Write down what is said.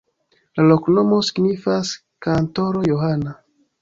La loknomo signifas: kantoro-Johana.